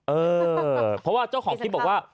เออเพราะว่าเจ้าของคลิปบอกว่า